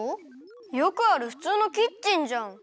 よくあるふつうのキッチンじゃん。